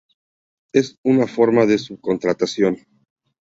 Es una forma de subcontratación.